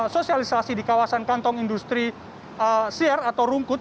sosialisasi di kawasan kantong industri siar atau rumput